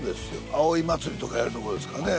葵祭とかやるとこですからね。